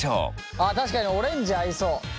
あ確かにオレンジ合いそう。